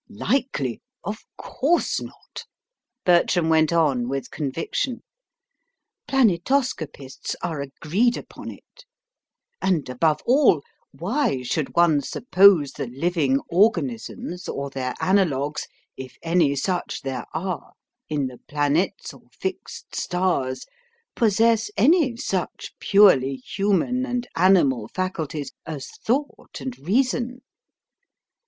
"Likely? Of course not," Bertram went on with conviction. "Planetoscopists are agreed upon it. And above all, why should one suppose the living organisms or their analogues, if any such there are, in the planets or fixed stars, possess any such purely human and animal faculties as thought and reason?